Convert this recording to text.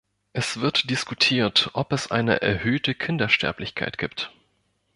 Es wird diskutiert, ob es eine erhöhte Kindersterblichkeit gibt.